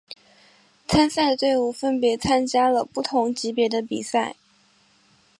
参赛队伍分别参加了不同级别的比赛。